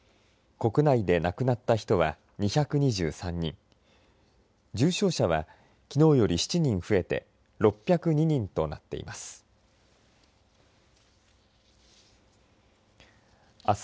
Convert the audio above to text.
国内で亡くなった人は２２３人重症者は、きのうより７人増えて６０２人となっています。